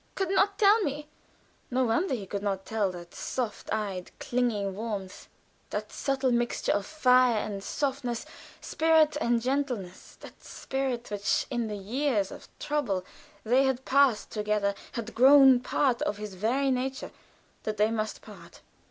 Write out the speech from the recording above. "Can not tell me." No wonder he could not tell that soft eyed, clinging warmth; that subtle mixture of fire and softness, spirit and gentleness that spirit which in the years of trouble they had passed together had grown part of his very nature that they must part!